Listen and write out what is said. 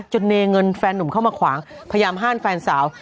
เนเงินแฟนหนุ่มเข้ามาขวางพยายามห้ามแฟนสาว